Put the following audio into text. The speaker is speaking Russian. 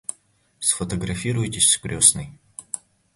Сфотографируетесь с крестной?